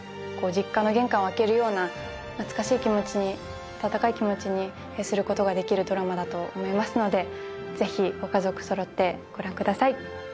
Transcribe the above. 実家の玄関を開けるような懐かしい気持ちに温かい気持ちにすることができるドラマだと思いますのでぜひご家族揃ってご覧ください